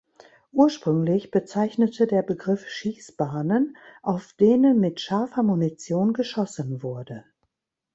Ursprünglich bezeichnete der Begriff Schießbahnen, auf denen mit scharfer Munition geschossen wurde.